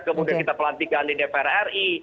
kemudian kita pelantikan di dpr ri